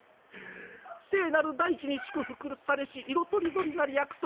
「聖なる大地に祝福されし色とりどりなる薬草」。